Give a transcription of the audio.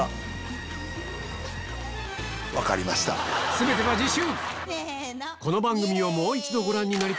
全ては次週！